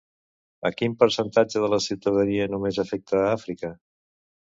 A quin percentatge de la ciutadania només afecta a Àfrica?